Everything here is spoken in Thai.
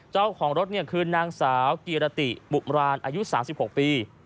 เจ้าของรถคือนางสาวกีรติบุมรานอายุ๓๖ปี